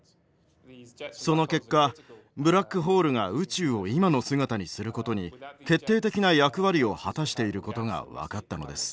その結果ブラックホールが宇宙を今の姿にすることに決定的な役割を果たしていることが分かったのです。